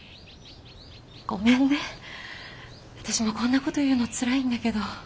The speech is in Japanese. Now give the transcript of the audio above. ごめんね私もこんなこと言うのつらいんだけど。